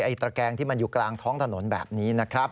ตระแกงที่มันอยู่กลางท้องถนนแบบนี้นะครับ